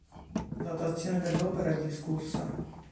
La datazione dell'opera è discussa.